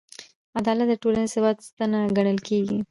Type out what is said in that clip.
عدالت د ټولنیز ثبات ستنه ګڼل کېږي.